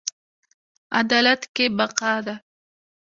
عدالت کې بقا ده